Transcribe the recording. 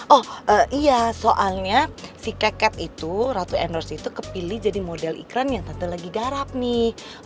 oh iya soalnya si keket itu ratu endorse itu kepilih jadi model iklan yang tante lagi garap nih